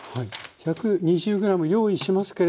１２０ｇ用意しますけれども。